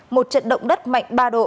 một trận động đất mạnh ba độ